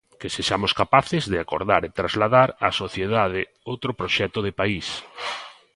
Que sexamos capaces de acordar e trasladar á sociedade outro proxecto de país.